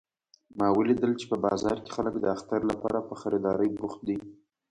ما ولیدل چې په بازار کې خلک د اختر لپاره په خریدارۍ بوخت دي